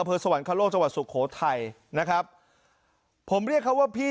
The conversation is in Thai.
สวรรคโลกจังหวัดสุโขทัยนะครับผมเรียกเขาว่าพี่